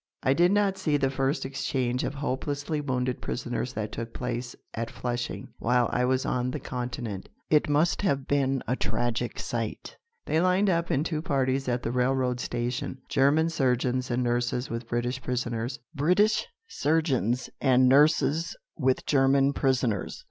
I did not see the first exchange of hopelessly wounded prisoners that took place at Flushing, while I was on the Continent. It must have been a tragic sight. They lined up in two parties at the railroad station, German surgeons and nurses with British prisoners, British surgeons and nurses with German prisoners.